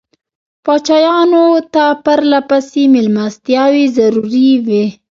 پاچایانو ته پرله پسې مېلمستیاوې ضروري وې.